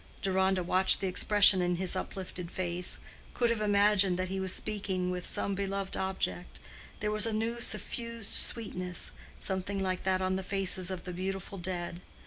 Deronda, watching the expression in his uplifted face, could have imagined that he was speaking with some beloved object: there was a new suffused sweetness, something like that on the faces of the beautiful dead.